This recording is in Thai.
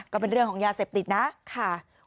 ก็เป็นเรื่องของยาเสพติดนะค่ะ